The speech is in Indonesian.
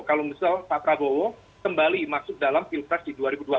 kalau misal pak prabowo kembali masuk dalam pilpres di dua ribu dua puluh